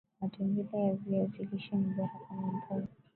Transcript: matembele ya viazi lishe ni bora kwa mboga